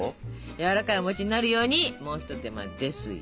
やわらかいお餅になるようにもう一手間ですよ！